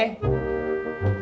takut emasnya hilang melehoi